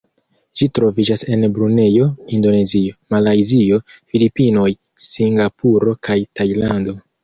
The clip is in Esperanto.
Ĝi troviĝas en Brunejo, Indonezio, Malajzio, Filipinoj, Singapuro kaj Tajlando.